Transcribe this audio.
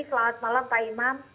selamat malam pak imam